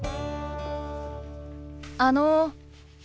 あの。